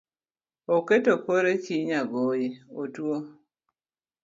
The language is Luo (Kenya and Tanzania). Oketo kore chi nyangonye otuo